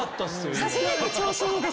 初めて調子いいです